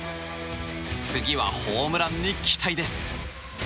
次はホームランに期待です！